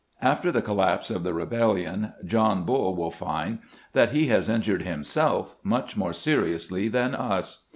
After the collapse of the rebellion John Bull will find that he has injured himself much more seriously than us.